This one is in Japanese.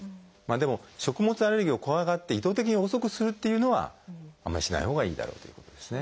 でも食物アレルギーを怖がって意図的に遅くするっていうのはあんまりしないほうがいいだろうということですね。